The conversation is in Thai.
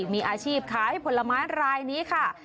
มีอาชีพขายผลไม้รายนี้ค่ะ